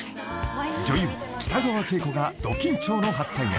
［女優北川景子がド緊張の初対面］